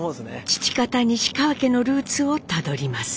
父方西川家のルーツをたどります。